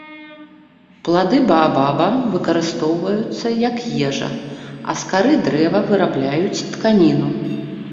Плады баабаба выкарыстоўваюцца, як ежа, а з кары дрэва вырабляюць тканіну.